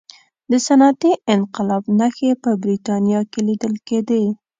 د صنعتي انقلاب نښې په برتانیا کې لیدل کېدې.